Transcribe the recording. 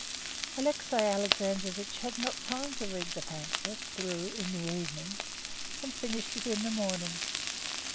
Alexey Alexandrovitch had not had time to read the pamphlet through in the evening, and finished it in the morning.